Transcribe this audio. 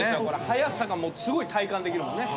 速さがすごい体感できるもんね。